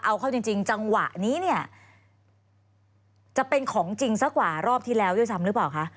เอาเข้าจริงจังหวะนี้เนี่ยจะเป็นของจริงสักกว่ารอบที่แล้วด้วยซ้ำหรือเปล่าคะ